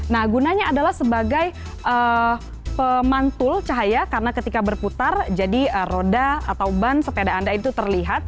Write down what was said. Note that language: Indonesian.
nah gunanya adalah sebagai pemantul cahaya karena ketika berputar jadi roda atau ban sepeda anda itu terlihat